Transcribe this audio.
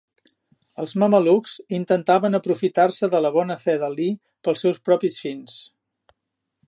Els mamelucs intentaven aprofitar-se de la bona fe d'Ali pels seus propis fins.